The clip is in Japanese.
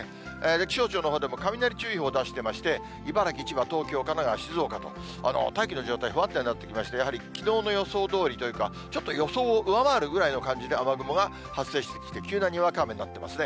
気象庁のほうでも雷注意報を出してまして、茨城、千葉、東京、神奈川、静岡と、大気の状態、不安定になってきまして、やはりきのうの予想どおりというか、ちょっと予想を上回るぐらいの感じで、雨雲が発生してきて、急なにわか雨になっていますね。